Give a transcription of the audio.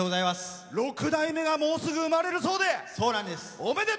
６代目がもうすぐ生まれるそうで。